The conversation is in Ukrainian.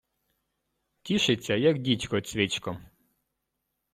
Тішиться, як дідько цьвичком.